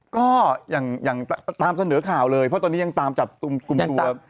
ก็อย่างตามเสนอข่าวเลยเพราะตอนนี้ยังตามจับกลุ่มตัว